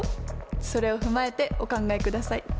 それを踏まえてお考えください。